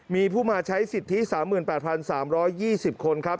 มีผู้มาใช้สิทธิ๓๘๓๒๐คนครับ